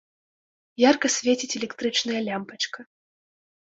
Ярка свеціць электрычная лямпачка.